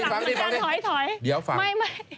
มาถอยฟังดิ